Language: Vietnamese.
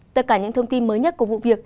tất cả những thông tin mới nhất của vụ việc